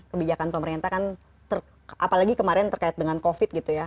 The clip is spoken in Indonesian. kebijakan pemerintah kan apalagi kemarin terkait dengan covid gitu ya